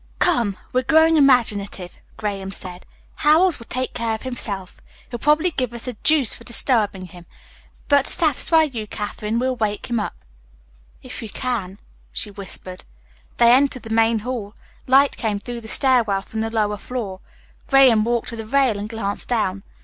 "Come. We're growing imaginative," Graham said. "Howells would take care of himself. He'll probably give us the deuce for disturbing him, but to satisfy you, Katherine, we'll wake him up." "If you can," she whispered. They entered the main hall. Light came through the stair well from the lower floor. Graham walked to the rail and glanced down.